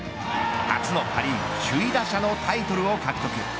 初のパ・リーグ首位打者のタイトルを獲得。